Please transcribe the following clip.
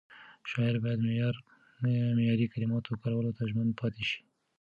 شاعر باید معیاري کلماتو کارولو ته ژمن پاتې شي.